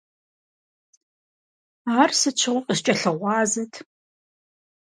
Ар сыт щыгъуи къыскӏэлъыгъуазэт.